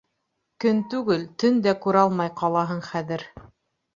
Кон түгел, төн дә күрә алмай ҡалаһың хәҙер.